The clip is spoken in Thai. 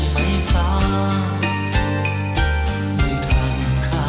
ไม่เจ็บเท้า